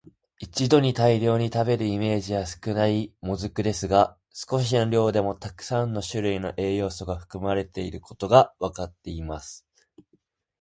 一度に大量に食べるイメージは少ない「もずく」ですが、少しの量でもたくさんの種類の栄養素が含まれていることがわかっています。